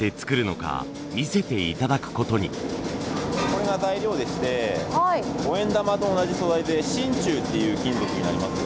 これが材料でして五円玉と同じ素材で真鍮っていう金属になります。